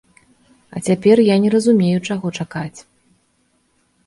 А цяпер я не разумею, чаго чакаць!